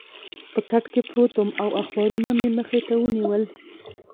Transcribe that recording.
په کټ کې پروت وم او اخبارونه مې مخې ته ونیول.